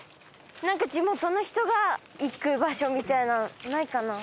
なんか地元の人が行く場所みたいなないかな？